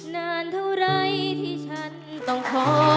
นานเท่าไรที่ฉันต้องขอ